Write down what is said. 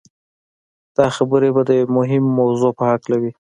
دا خبرې به د يوې مهمې موضوع په هکله وي.